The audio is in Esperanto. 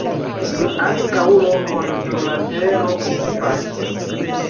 Mi ankaŭ lokon sur la tero okupas.